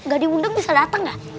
gak diundang bisa dateng gak